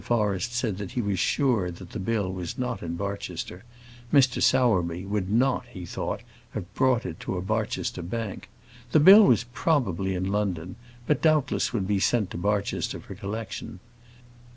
Forrest said that he was sure that the bill was not in Barchester; Mr. Sowerby would not, he thought, have brought it to a Barchester bank. The bill was probably in London, but doubtless would be sent to Barchester for collection.